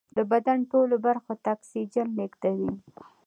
د بدن ټولو برخو ته اکسیجن لېږدوي